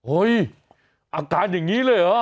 อาการอย่างนี้เลยเหรอ